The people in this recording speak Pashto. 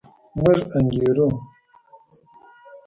موږ انګېرو.